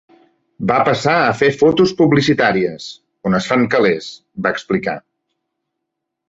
Va passar a fer fotos publicitàries, "on es fan calés", va explicar.